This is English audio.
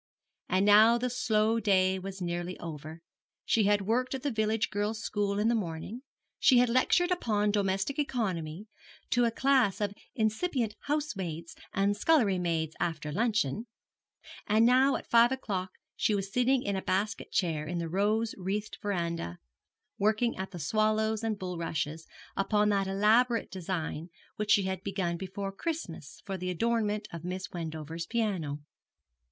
And now the slow day was nearly over: she had worked at the village girls' school in the morning; she had lectured upon domestic economy to a class of incipient house maids and scullery maids after luncheon; and now at five o'clock she was sitting in a basket chair in the rose wreathed verandah working at the swallows and bulrushes upon that elaborate design which she had begun before Christmas for the adornment of Miss Wendover's piano.